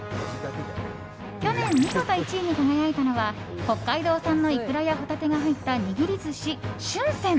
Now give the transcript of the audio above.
去年、見事１位に輝いたのは北海道産のイクラやホタテが入った握り寿司、旬鮮。